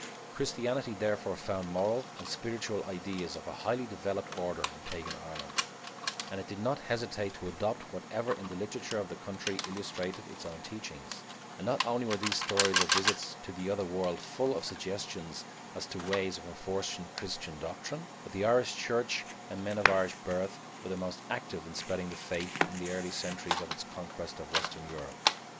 Christianity therefore found moral and spiritual ideas of a highly developed order in pagan Ireland, and it did not hesitate to adopt whatever in the literature of the country illustrated its own teachings, and not only were these stories of visits to the other world full of suggestions as to ways of enforcing Christian doctrine, but the Irish church and men of Irish birth were the most active in spreading the faith in the early centuries of its conquest of western Europe.